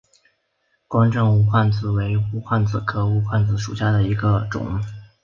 川滇无患子为无患子科无患子属下的一个种。